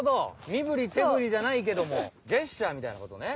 みぶりてぶりじゃないけどもジェスチャーみたいなことね。